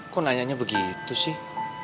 kok nanyanya begitu sih